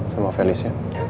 sama felys ya